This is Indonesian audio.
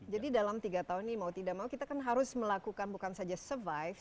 jadi dalam tiga tahun ini mau tidak mau kita kan harus melakukan bukan saja survive